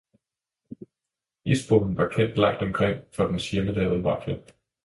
Isboden var kendt langt omkring for dens hjemmelavede vafler.